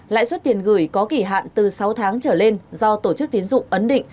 lãi suất tiền gửi có kỳ hạn từ sáu tháng trở lên do tổ chức tiến dụng ấn định